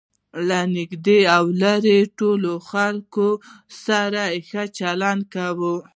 له نژدې او ليري ټولو خلکو سره ښه چلند کوئ!